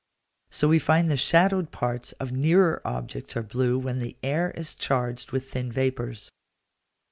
So we find the shadowed parts of nearer objects are blue when the air is charged with thin vapours.